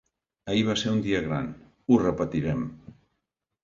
Ahir va ser un gran dia: ho repetirem.